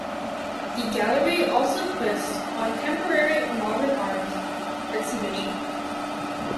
The gallery also puts on temporary modern art exhibitions.